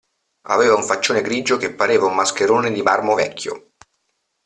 Aveva un faccione grigio che pareva un mascherone di marmo vecchio.